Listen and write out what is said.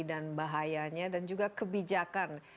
dan bahayanya dan juga kebijakan